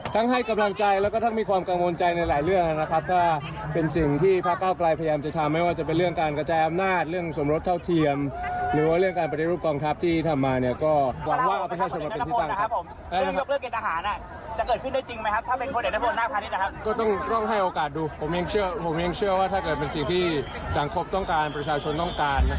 ที่ทำมาก็หวังว่าเอาประชาชนมาเป็นที่ตั้ง